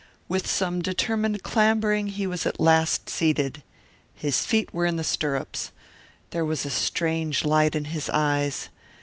With some determined clambering he was at last seated. His feet were in the stirrups. There was a strange light in his eyes.